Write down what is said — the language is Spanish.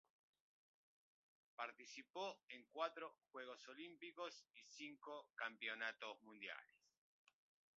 Participó en cuatro Juego Olímpicos y cinco campeonatos mundiales.